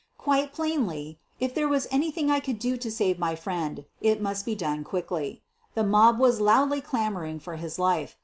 Quite plainly, if there was anything I could do to save my friend, it must be done quickly. The mob was loudly clamoring for his life.